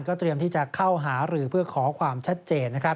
ก็เตรียมที่จะเข้าหาหรือเพื่อขอความชัดเจน